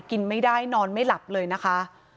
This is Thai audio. กินไม่ได้นอนไม่หลับเลยนะคะ